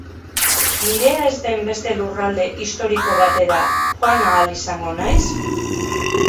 Nirea ez den beste lurralde historiko batera joan ahal izango naiz?